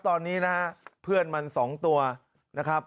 ตอนนี้นะฮะเพื่อนมัน๒ตัวนะครับ